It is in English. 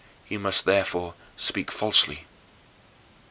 He must therefore speak falsely.